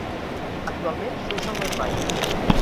Actualment s'usen les baies.